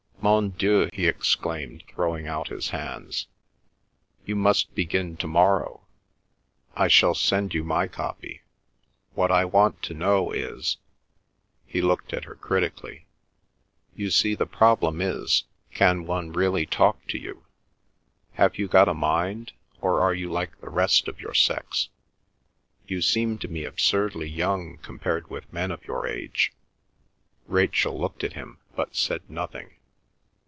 "Mon Dieu!" he exclaimed, throwing out his hands. "You must begin to morrow. I shall send you my copy. What I want to know is—" he looked at her critically. "You see, the problem is, can one really talk to you? Have you got a mind, or are you like the rest of your sex? You seem to me absurdly young compared with men of your age." Rachel looked at him but said nothing.